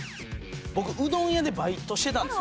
僕うどん屋でバイトしてたんですよ